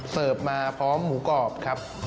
เสิร์ฟมาพร้อมหมูกรอบครับ